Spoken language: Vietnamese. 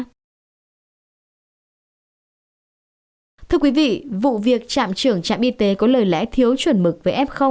thưa quý vị vụ việc trạm trưởng trạm y tế có lời lẽ thiếu chuẩn mực về f